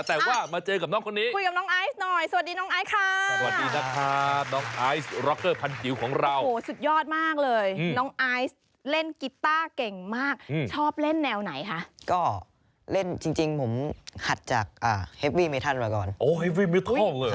แต่เมื่อกี้ไม่เฮววีเลยนะเพียงที่เราร้องกันเนี่ย